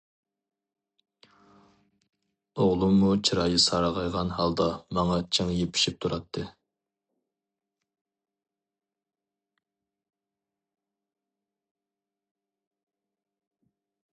ئوغلۇممۇ چىرايى سارغايغان ھالدا ماڭا چىڭ يېپىشىپ تۇراتتى.